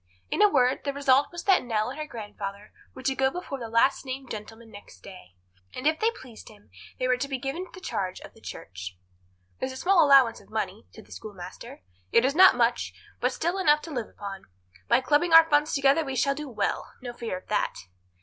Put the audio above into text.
In a word, the result was that Nell and her grandfather were to go before the last named gentleman next day, and if they pleased him they were to be given the charge of the church. "There's a small allowance of money," said the schoolmaster. "It is not much, but still enough to live upon. By clubbing our funds together we shall do well; no fear of that."